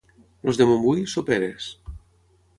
Els de Montbui, soperes.